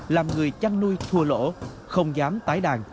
làm người chăn nuôi thua lỗ không dám tái đàn